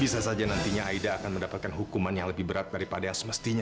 bisa saja nantinya aida akan mendapatkan hukuman yang lebih berat daripada semestinya